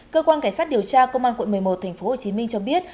cơ quan cảnh sát điều tra công an quận một mươi một tp hcm cho biết